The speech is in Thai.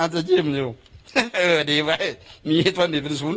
มันเป็นเปิดปกติแต่เค้ามาบางองค์เค้าไม่พูด